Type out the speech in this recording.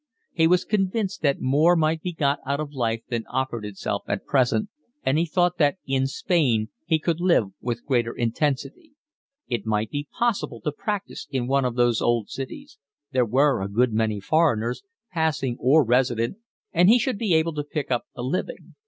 He was convinced that more might be got out of life than offered itself at present, and he thought that in Spain he could live with greater intensity: it might be possible to practise in one of those old cities, there were a good many foreigners, passing or resident, and he should be able to pick up a living.